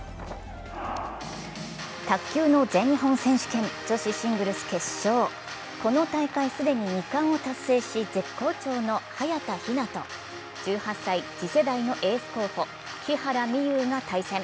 卓球の全日本選手権女子シングルス決勝、この大会既に２冠を達成し、絶好調の早田ひなと、１８歳・次世代のエース候補木原美悠が対戦。